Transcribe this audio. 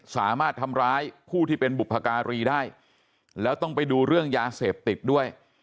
สามารถทำร้ายผู้ที่เป็นบุพการีได้แล้วต้องไปดูเรื่องยาเสพติดด้วย